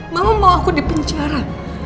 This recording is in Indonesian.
mama mau aku dipenjara